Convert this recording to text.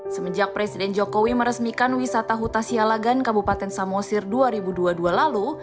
semenjak presiden jokowi meresmikan wisata huta sialagan kabupaten samosir dua ribu dua puluh dua lalu